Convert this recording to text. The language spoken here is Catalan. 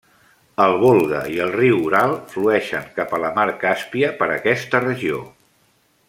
El Volga i el riu Ural flueixen cap a la mar Càspia per aquesta regió.